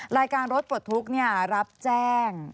รายการรสปวดทุกข์เนี่ยรับแจ้ง